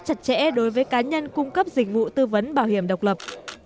chặt chẽ đối với cá nhân cung cấp dịch vụ tư vấn bảo hiểm độc lập